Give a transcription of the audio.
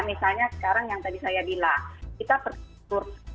misalnya sekarang yang tadi saya bilang